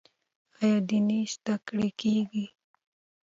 آیا دیني زده کړې کیږي؟